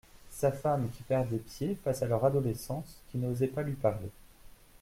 sa femme qui perdait pied face à leur adolescente, qui n’osait pas lui parler